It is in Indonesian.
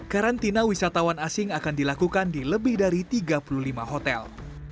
karantina wisatawan asing akan dilakukan di lebih dari tiga puluh lima hotel